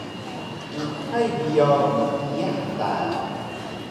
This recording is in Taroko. Uxay biyaw meiyah da